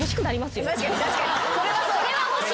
それは欲しい。